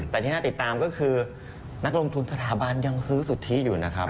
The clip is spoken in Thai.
แต่ที่น่าติดตามก็คือนักลงทุนสถาบันยังซื้อสุทธิอยู่นะครับ